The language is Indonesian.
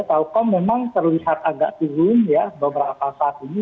telkom memang terlihat agak turun ya beberapa saat ini